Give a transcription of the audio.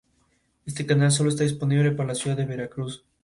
Este canal solo está disponible para la Ciudad de Veracruz.